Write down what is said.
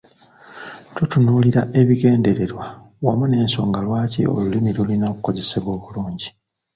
Tutunuulira ebigendererwa wamu n'ensonga lwaki olulimi lulina okukozesebwa obulungi.